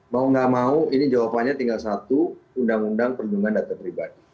mau nggak mau ini jawabannya tinggal satu undang undang perlindungan data pribadi